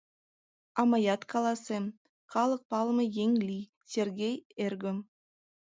А мыят каласем: калык палыме еҥ лий, Сергей эргым!